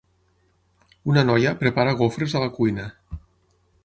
Una noia prepara gofres a la cuina.